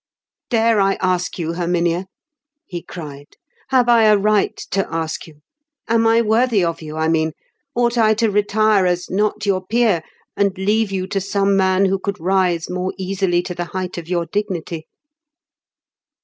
"Dare I ask you, Herminia?" he cried. "Have I a right to ask you? Am I worthy of you, I mean? Ought I to retire as not your peer, and leave you to some man who could rise more easily to the height of your dignity?"